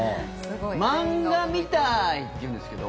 漫画みたーい！って言うんですけど